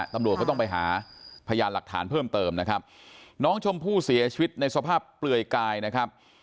ตำรวจก็ต้องไปหาพยานหลักฐานเพิ่มเติมนะครับน้องชมพู่เสียชีวิตในสภาพเปลือยกายนะครับ